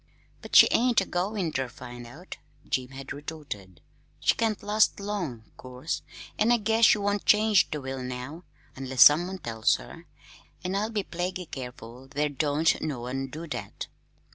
"But she ain't a goin' ter find out," Jim had retorted. "She can't last long, 'course, an' I guess she won't change the will now unless some one tells her; an' I'll be plaguy careful there don't no one do that!"